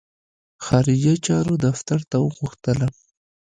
خارجه چارو دفتر ته وغوښتلم.